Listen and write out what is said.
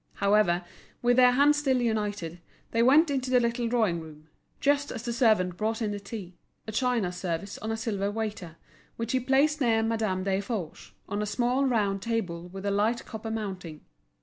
However, with their hands still united, they went into the little drawing room, just as the servant brought in the tea, a china service on a silver waiter, which he placed near Madame Desforges, on a small round marble table with a light copper mounting.